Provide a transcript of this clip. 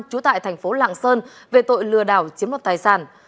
trú tại thành phố lạng sơn về tội lừa đảo chiếm đoạt tài sản